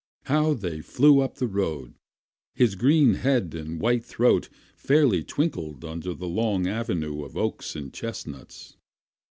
How they flew up the road! His green head and white throat fairly twinkled under the long avenue of oaks and chestnuts.